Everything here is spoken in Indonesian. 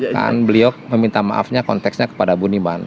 ya kan beliau meminta maafnya konteksnya kepada budiman